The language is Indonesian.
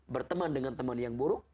berteman dengan teman yang buruk